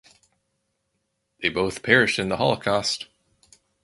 They both perished in the Holocaust.